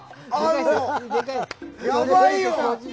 やばいよ！